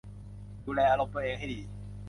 ดูแลอารมณ์ตัวเองให้ดี